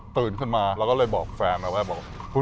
ตื่นขึ้นมาเราก็เลยบอกแฟนนะว่าบอก